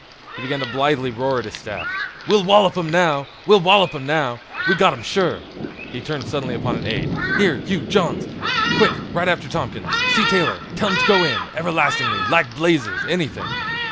He began to blithely roar at his staff: "We'll wallop 'im now. We'll wallop 'im now. We've got 'em sure." He turned suddenly upon an aide: "Here—you—Jones—quick—ride after Tompkins—see Taylor—tell him t' go in—everlastingly—like blazes—anything."